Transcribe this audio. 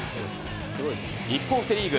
一方、セ・リーグ。